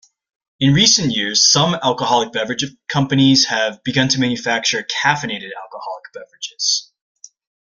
In recent years, some alcoholic beverage companies have begun to manufacture caffeinated alcoholic beverages.